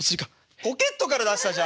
ポケットから出したじゃん